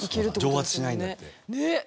蒸発しないんだって。